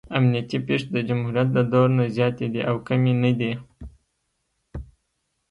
امنیتي پېښې د جمهوریت د دور نه زیاتې دي او کمې نه دي.